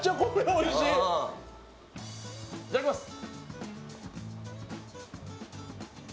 いただきます。